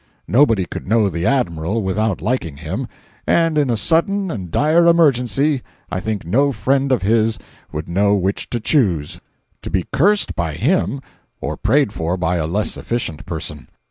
Nobody could know the "Admiral" without liking him; and in a sudden and dire emergency I think no friend of his would know which to choose—to be cursed by him or prayed for by a less efficient person.